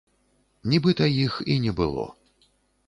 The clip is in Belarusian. Нібыта іх і не было.